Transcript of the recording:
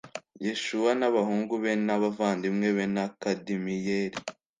yeshuwa n abahungu be n abavandimwe be na kadimiyeli